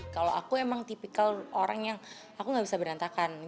kalau aku emang tipikal orang yang aku gak bisa berantakan